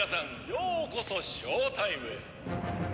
ようこそショータイムへ」